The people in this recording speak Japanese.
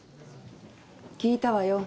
聞いたわよ